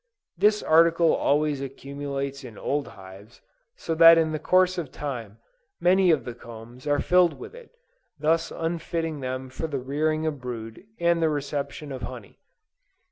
This article always accumulates in old hives, so that in the course of time, many of the combs are filled with it, thus unfitting them for the rearing of brood, and the reception of honey.